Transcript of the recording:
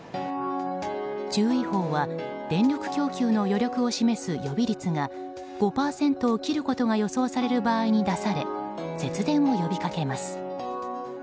注意報は電力供給の余力を示す予備率が５％を切ることが予想される場合に出され節電を呼びかけます。